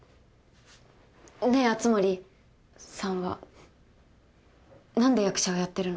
ねえ熱護さんは何で役者をやってるの？